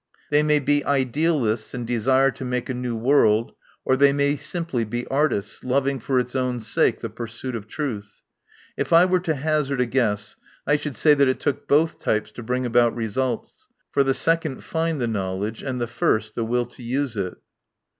They may be idealists and desire to make a new world, or they may simply be artists, lov ing for its own sake the pursuit of truth. If I were to hazard a guess, I should say that it took both types to bring about results, for the second find the knowledge and the first the will to use it."